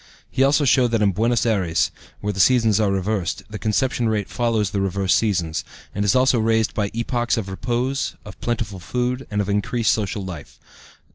He also showed that in Buenos Ayres, where the seasons are reversed, the conception rate follows the reversed seasons, and is also raised by epochs of repose, of plentiful food, and of increased social life.